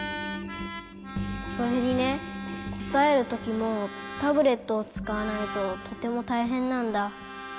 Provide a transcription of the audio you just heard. それにねこたえるときもタブレットをつかわないととてもたいへんなんだ。